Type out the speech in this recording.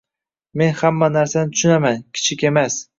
Men hamma narsani tushunaman, kichik emas.